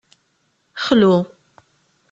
Xlu.